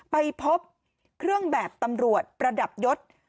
ไปพบเครื่องแบบตำรวจประดับยศ